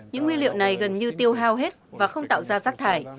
những nguyên liệu này gần như tiêu hao hết và không tạo ra rác thải